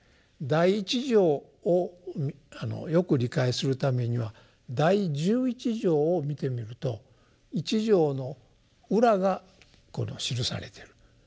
第一条をよく理解するためには第十一条を見てみると一条の裏が記されてる。